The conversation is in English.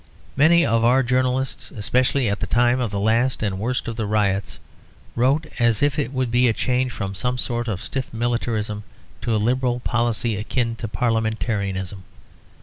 Many of our journalists, especially at the time of the last and worst of the riots, wrote as if it would be a change from some sort of stiff militarism to a liberal policy akin to parliamentarism.